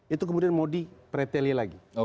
itu kemudian modi pretel lagi